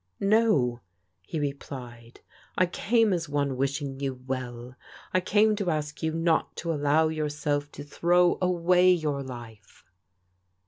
"" No,*' he replied, " I came as one wishing you well. I came to ask you not to allow yourself to throw away your life.